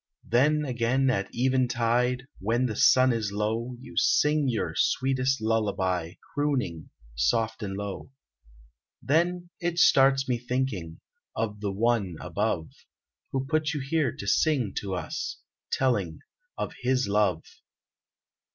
Then again at eventide When the sun is low You sing your sweetest lullaby Crooning, soft and low. Then it starts me thinking Of the One above Who put you here to sing to us Telling of His love.